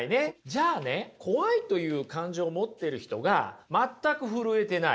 じゃあね怖いという感情を持っている人が全く震えていない。